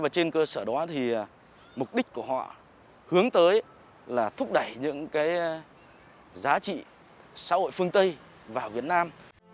trên cơ sở đó thì mục đích của họ hướng tới là thúc đẩy những giá trị xã hội phương tây vào việt nam